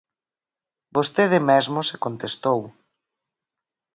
Vostede mesmo se contestou.